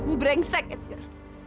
kamu brengsek edgar